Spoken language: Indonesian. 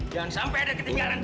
jangan sampai ada ketinggalan